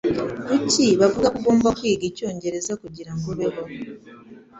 Kuki bavuga ko ugomba kwiga icyongereza kugirango ubeho?